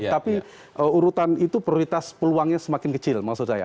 tapi urutan itu prioritas peluangnya semakin kecil maksud saya